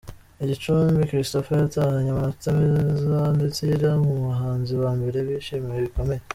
I Gicumbi, Christopher yatahanye amanota meza ndetse yari mu bahanzi ba mbere bishimiwe bikomeye.